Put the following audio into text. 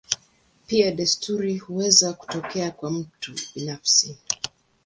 Pia desturi huweza kutokea kwa mtu binafsi.